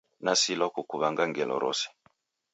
Nasilwa kukuwanga ngelo rose